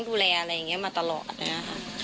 ดูแลอะไรอย่างนี้มาตลอดนะค่ะ